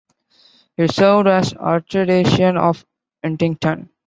He served as archdeacon of Huntingdon.